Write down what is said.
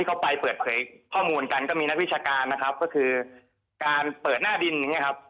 เข้าไปเปิดเผยข้อมูลกันก็มีนักวิชาการนะครับก็คือการเปิดหน้าดินอย่างเงี้ครับ